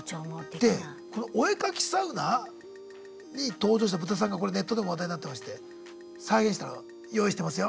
でこのお絵描きサウナに登場したブタさんがネットでも話題になってまして再現したの用意してますよ。